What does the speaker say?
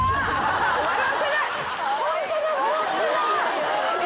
ホントだ笑ってない。